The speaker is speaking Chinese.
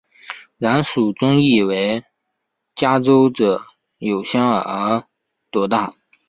然蜀中亦为嘉州者有香而朵大。